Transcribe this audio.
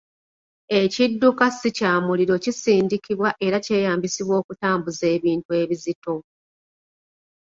Ekidduka si kya muliro kisindikibwa era kyeyambisibwa okutambuza ebintu ebizito